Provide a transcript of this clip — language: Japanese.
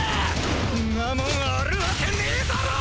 んなもんあるワケねェだろ！